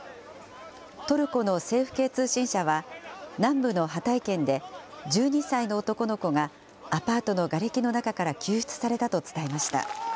トルコの政府系通信社は、南部のハタイ県で、１２歳の男の子がアパートのがれきの中から救出されたと伝えました。